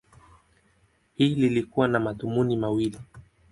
Hili lilikuwa na madhumuni mawili.